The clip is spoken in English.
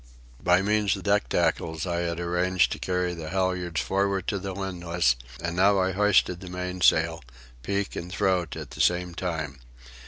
By means of deck tackles I had arranged to carry the halyards forward to the windlass; and now I hoisted the mainsail, peak and throat, at the same time.